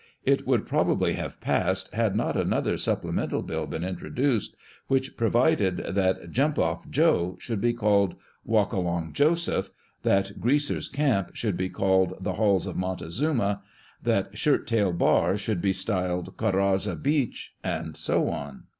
It would probably have passed, had not another supplemental bill been introduced, which pro vided that " Jump off Joe" f should be called " Walk along Josepli ;" that " Greaser's Camp" should be called " The Halls of Montezuma ;" that " Shirt Tail Bar" should be styled " Corazza Beach," and so on.